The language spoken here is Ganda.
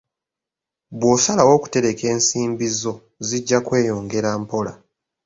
Bw'osalawo okutereka ensimbi zo, zijja kweyongera mpola.